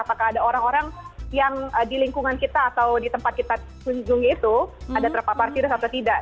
apakah ada orang orang yang di lingkungan kita atau di tempat kita kunjungi itu ada terpapar virus atau tidak